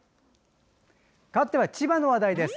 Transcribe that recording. かわっては千葉の話題です。